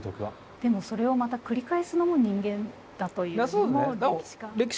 でもそれをまた繰り返すのも人間だという。